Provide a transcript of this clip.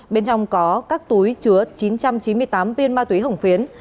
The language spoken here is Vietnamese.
bên trong có các túi chứa chín trăm chín mươi tám viên ma túy hồng phiến